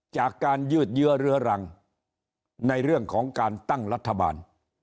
ยืดเยื้อเรื้อรังในเรื่องของการตั้งรัฐบาล